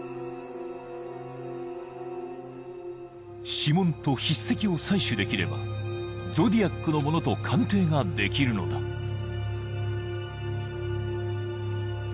指紋と筆跡を採取できればゾディアックのものと鑑定ができるのだあっ！